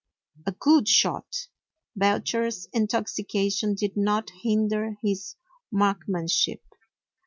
A good shot ! Belcher's intoxication did not hinder his marksmanship.